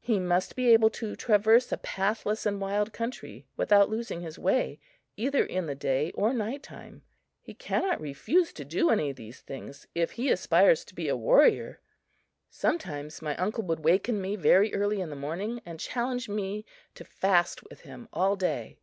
He must be able to traverse a pathless and wild country without losing his way either in the day or night time. He cannot refuse to do any of these things if he aspires to be a warrior. Sometimes my uncle would waken me very early in the morning and challenge me to fast with him all day.